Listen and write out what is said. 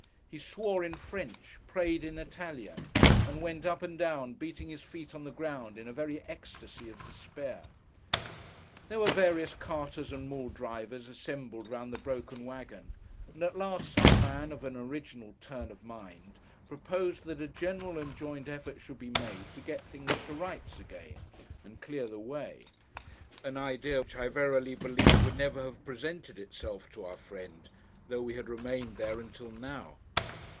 He swore in French, prayed in Italian, and went up and down, beating his feet on the ground in a very ecstasy of despair. There were various carters and mule drivers assembled round the broken waggon, and at last some man of an original turn of mind, proposed that a general and joint effort should be made to get things to rights again, and clear the way—an idea which I verily believe would never have presented itself to our friend, though we had remained there until now.